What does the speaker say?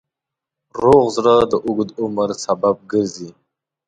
روغ زړه د اوږد عمر سبب ګرځي.